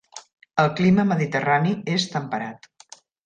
El clima mediterrani és temperat.